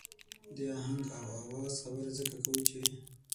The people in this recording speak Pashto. د آهنګ او آواز خبره ځکه کوو چې.